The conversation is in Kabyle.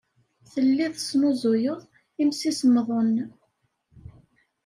Telliḍ tesnuzuyeḍ imsisemḍen.